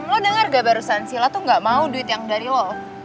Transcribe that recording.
lo dengar gak barusan sila tuh gak mau duit yang dari lo